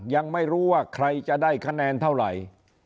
ยังไม่รู้ว่าใครจะได้คะแนนเท่าไหร่